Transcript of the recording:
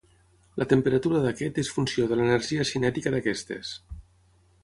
La temperatura d'aquest és funció de l'energia cinètica d'aquestes.